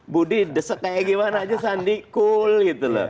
budi desek kayak gimana aja sandi cool gitu loh